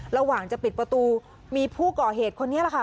ระหว่างจะปิดประตูมีผู้ก่อเหตุคนนี้แหละค่ะ